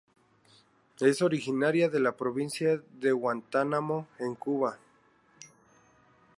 Es originaria de la Provincia de Guantánamo en Cuba.